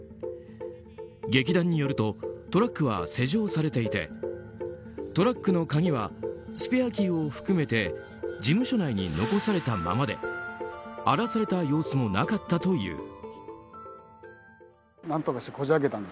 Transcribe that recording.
劇団によるとトラックは施錠されていてトラックの鍵はスペアキーを含めて事務所内に残されたままで荒らされた様子もなかったという。